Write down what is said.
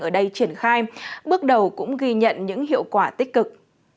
ở đây triển khai bước đầu cũng ghi nhận những hiệu quả tích cực